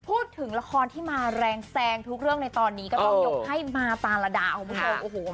พูดถึงละครที่มาแรงแซงทุกเรื่องในตอนนี้ก็ต้องยกให้มาตาระดาคุณผู้ชมโอ้โห